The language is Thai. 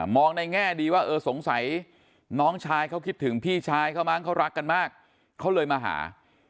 ในแง่ดีว่าเออสงสัยน้องชายเขาคิดถึงพี่ชายเขามั้งเขารักกันมากเขาเลยมาหา